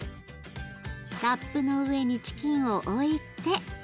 ラップの上にチキンを置いて。